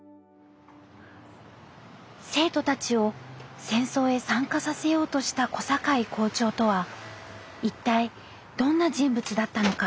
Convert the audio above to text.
生徒たちを戦争へ参加させようとした小坂井校長とは一体どんな人物だったのか。